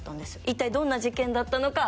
いったいどんな事件だったのか